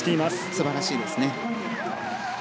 素晴らしいですね。